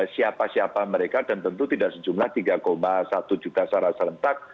siapa siapa mereka dan tentu tidak sejumlah tiga satu juta sara sara rentak